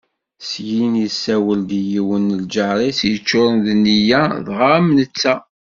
Syin, yessawel-d i yiwen n lǧar-is yeččuren d nneyya daɣ am netta.